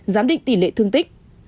giám định tỷ lệ thương tích